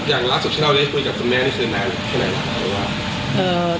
อย่างล่าสุดที่เราได้คุยกับคุณแม่ที่คืนนานว่าอย่างไร